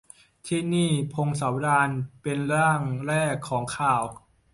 ที่นี่ : พงศาวดารเป็นร่างแรกของข่าว